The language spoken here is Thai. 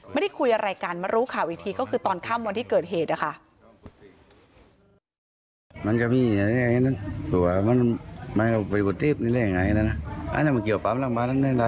ไม่ได้คุยอะไรกันมารู้ข่าวอีกทีก็คือตอนค่ำวันที่เกิดเหตุนะคะ